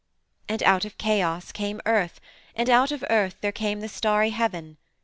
And out of Chaos came Earth, and out of Earth came the starry Heaven.